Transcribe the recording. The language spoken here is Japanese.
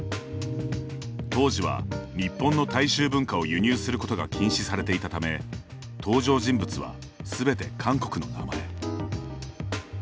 当時は日本の大衆文化を輸入することが禁止されていたため登場人物はすべて韓国の名前。